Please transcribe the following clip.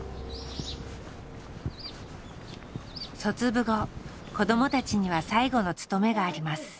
卒部後子どもたちには最後の務めがあります。